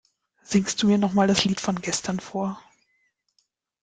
Singst du mir noch mal das Lied von gestern vor?